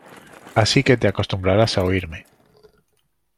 Así que te acostumbrarás a oirme.